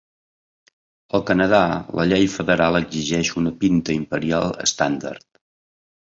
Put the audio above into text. Al Canadà, la llei federal exigeix una pinta imperial estàndard.